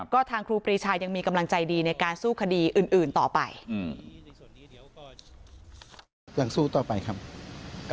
ก็ทางครูปรีชายังมีกำลังใจดีในการสู้คดีอื่นอื่นต่อไปอืมอย่างสู้ต่อไปครับ